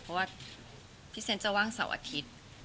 เพราะว่าพี่เซนต์จะว่างเสาร์อาทิตย์